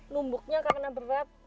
numbuknya karena berat